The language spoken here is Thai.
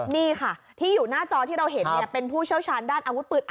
นี่ค่ะที่อยู่หน้าจอที่เราเห็นเป็นผู้เชี่ยวชาญด้านอาวุธปืน